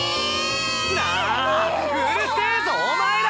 ああうるせぇぞお前ら！